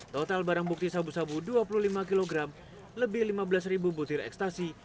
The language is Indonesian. total barang bukti sabu sabu dua puluh lima kg lebih lima belas butir ekstasi